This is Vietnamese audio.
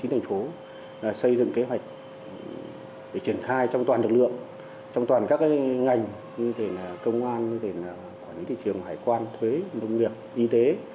để triển khai trong toàn lực lượng trong toàn các ngành như công an quản lý thị trường hải quan thuế nông nghiệp y tế